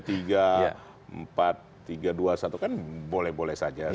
itu kan boleh boleh saja